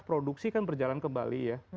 produksi kan berjalan kembali ya